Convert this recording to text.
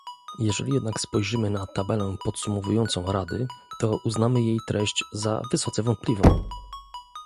Jeżeli jednak spojrzymy na tabelę podsumowującą Rady, to uznamy jej treść za wysoce wątpliwą